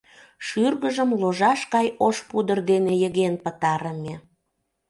Шӱргыжым ложаш гай ош пудр дене йыген пытарыме.